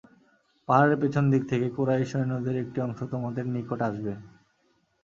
পাহাড়ের পেছন দিক দিয়ে কুরাইশ সৈন্যদের একটি অংশ তোমাদের নিকট আসবে।